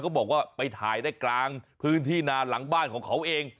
บอกว่าไปถ่ายได้กลางพื้นที่นานหลังบ้านของเขาเอง